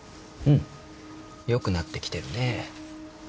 うん良くなってきてるね。